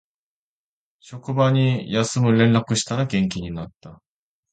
職場に休む連絡したら元気になった